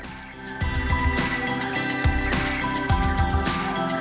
gunung purba ngelanggerak